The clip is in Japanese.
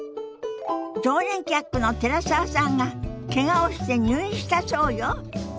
常連客の寺澤さんがけがをして入院したそうよ。